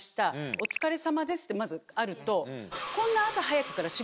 「お疲れさまです」ってまずあると。